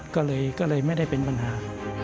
ก็เลยไม่ได้เป็นปัญหา